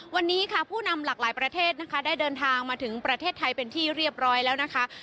วันนี้ค่ะผู้นำหลากหลายประเทศนะคะได้เดินทางมาถึงประเทศไทยเป็นที่เรียบร้อยแล้วนะคะ